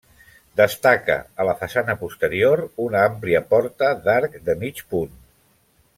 Destaca, a la façana posterior, una àmplia porta d'arc de mig punt.